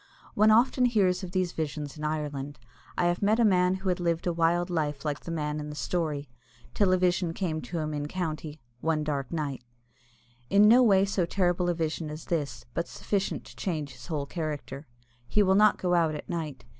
One often hears of these visions in Ireland. I have met a man who had lived a wild life like the man in the story, till a vision came to him in County one dark night in no way so terrible a vision as this, but sufficient to change his whole character. He will not go out at night.